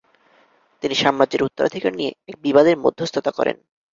তিনি সাম্রাজ্যের উত্তরাধিকার নিয়ে এক বিবাদের মধ্যস্থতা করেন।